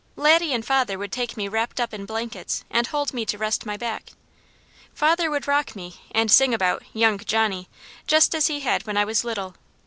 Laddie and father would take me up wrapped in blankets and hold me to rest my back. Father would rock me and sing about "Young Johnny," just as he had when I was little.